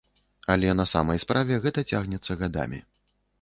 Але на самай справе гэта цягнецца гадамі.